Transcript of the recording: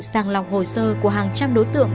sàng lọc hồ sơ của hàng trăm đối tượng